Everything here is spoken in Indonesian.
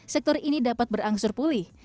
sektor ini dapat berangsur pulih